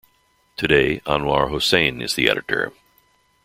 Today, Anwar Hossain is the editor.